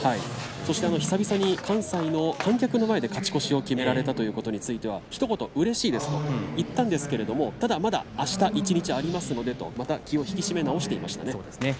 そして久々に、関西の観客の前で勝ち越しを決められたことについては、ひと言うれしいですと言ったんですけれどただまだあした一日ありますとまた気を引き締め直していました。